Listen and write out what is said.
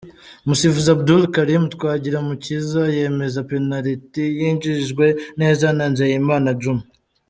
Umusifuzi Abdul Karim Twagirumukiza yemeza penaliti yinjijwe neza na Nizeyimana Djuma.